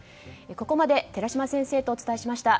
ここまで寺嶋先生とお伝えしました。